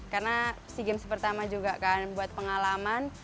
karena sea games pertama juga kan buat pengalaman